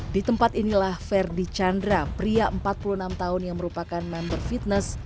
di tempat inilah ferdi chandra pria empat puluh enam tahun yang merupakan member fitness